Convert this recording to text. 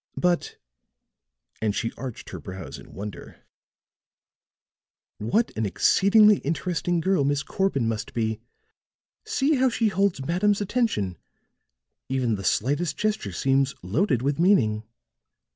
But," and she arched her brows in wonder, "what an exceedingly interesting girl Miss Corbin must be. See how she holds madame's attention! Even the slightest gesture seems loaded with meaning."